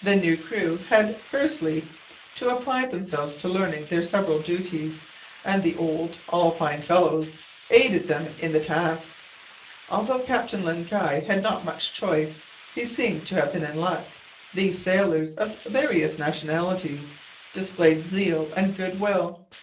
The new crew had firstly to apply themselves to learning their several duties, and the old all fine fellows aided them in the task. Although Captain Len Guy had not had much choice, he seemed to have been in luck. These sailors, of various nationalities, displayed zeal and good will.